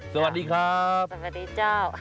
สวัสดีครับสวัสดีเจ้า